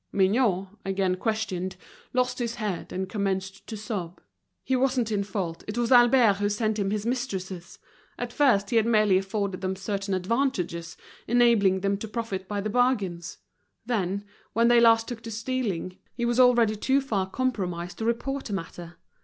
Mignot, again questioned, lost his head, and commenced to sob; he wasn't in fault, it was Albert who sent him his mistresses; at first he had merely afforded them certain advantages, enabling them to profit by the bargains; then, when they at last took to stealing, he was already too far compromised to report the matter.